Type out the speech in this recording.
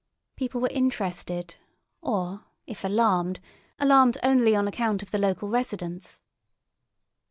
People were interested, or, if alarmed, alarmed only on account of the local residents.